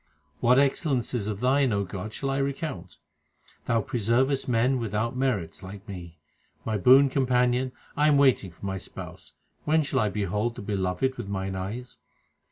What excellences of Thine, O God, shall I recount ? Thou preservest men without merits like me. My boon companion, I am waiting for my Spouse ; when shall I behold the Beloved with mine eyes